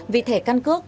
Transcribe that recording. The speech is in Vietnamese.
vì thẻ căn cước